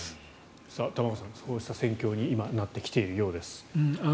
玉川さん、そうした戦況に今、なってきているようです。